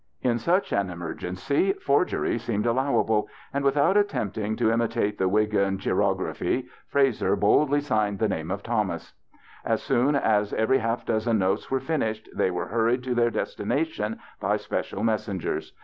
In such an emergency forgery seemed allow able, and, wdthout attempting to imitate the Wiggin chirography, Frazer boldly signed the name of Thomas. As soon as every half dozen notes were finished they were hurried to their destination by special messengers.